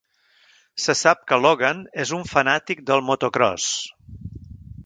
Se sap que Logan és un fanàtic del motocròs.